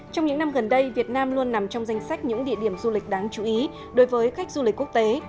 trong những năm gần đây việt nam luôn nằm trong danh sách những địa điểm du lịch đáng chú ý đối với khách du lịch quốc tế